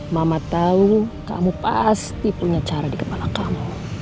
mama tahu kamu pasti punya cara di kepala kamu